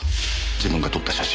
自分が撮った写真を。